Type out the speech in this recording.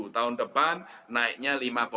tahun depan naiknya lima empat